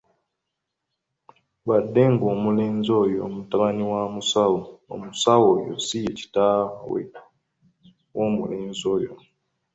Wadde ng'omulenzi yo mutabani wa musawo, omusawo oyo si ye kitaawe w'omulenzi oyo.